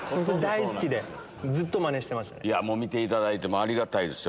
見ていただいてありがたいですよ